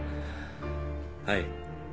はい。